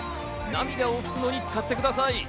涙を拭くのに使ってください。